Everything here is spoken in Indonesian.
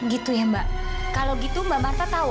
gitu ya mbak kalau gitu mbak marta tahu